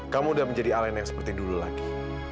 kamu udah menjadi alen yang seperti dulu lagi